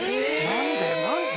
何で？